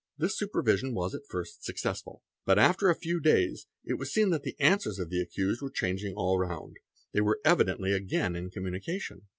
This supervision was at first successful, but after a few days it was seen that the answers of the accused were changing all round—they were evidently again in communication.